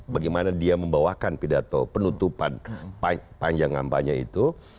bagaimana dia membawakan pidato penutupan panjang kampanye itu